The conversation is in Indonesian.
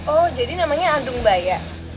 oh jadi namanya andung baya